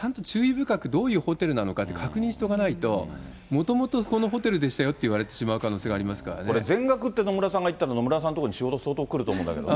深くどういうホテルなのかって確認しておかないと、もともとこのホテルでしたよって言われてこれ、全額って野村さんが言ったら、野村さんの所に仕事相当来ると思うんだけど。